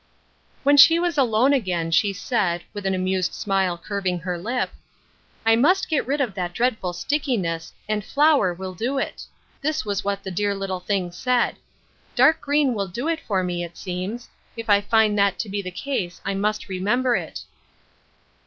When she was alone again, she said, with an amused smile curving her lip, " I must get rid of that dreadful stickiness, and flour will do it I ' 120 Ruth UrsJcine't Crosses, That is what the dear little thing said. " Dark green will do it for me, it seems. If I find that to be the case I must remember it."